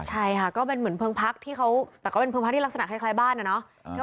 ใช่ค่ะก็เป็นเหมือนเพลิงพักที่เขาแต่ก็เป็นเพลิงพักที่ลักษณะคล้ายบ้านอะเนาะ